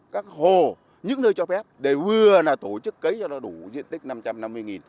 các hồ những nơi cho phép để vừa là tổ chức cấy cho nó đủ diện tích năm trăm năm mươi